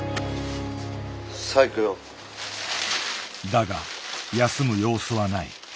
だが休む様子はない。